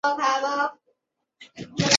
黄花红砂为柽柳科红砂属下的一个种。